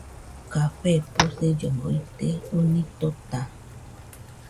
Café posillomo ite , oni tota